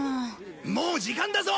もう時間だぞ！